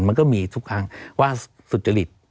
มันก็มีทุกครั้งว่าสุดจะฤทธิ์